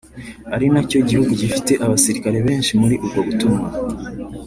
ari na cyo gihugu gifite abasirikare benshi muri ubwo butumwa